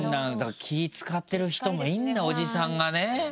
気使ってる人もいるんだおじさんがね。